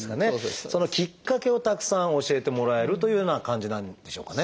そのきっかけをたくさん教えてもらえるというような感じなんでしょうかね。